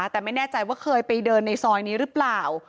แต่ไม่แน่ใจว่าเคยไปเดินในซอยนี้หรือเปล่า